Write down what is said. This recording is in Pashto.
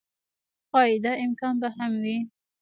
ښايي دا امکان به هم و